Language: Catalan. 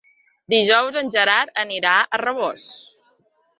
Dijous en Gerard anirà a Rabós.